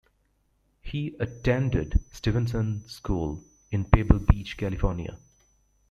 He attended Stevenson School in Pebble Beach, California.